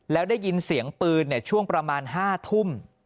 แล้วได้ยินเสียงปืนช่วงประมาณ๕ทุ่ม